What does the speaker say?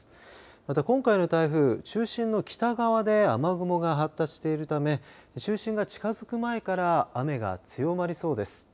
また、今回の台風中心の北側で雨雲が発達しているため中心が近づく前から雨が強まりそうです。